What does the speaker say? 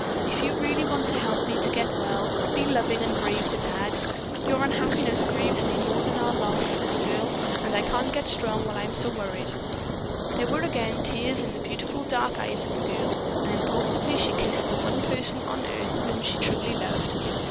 If you really want to help me to get well, be loving and brave to Dad. Your unhappiness grieves me more than our loss, little girl, and I can't get strong while I am so worried." There were again tears in the beautiful dark eyes of the girl, and impulsively she kissed the one person on earth whom she truly loved.